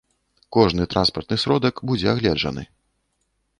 Кожны транспартны сродак будзе агледжаны.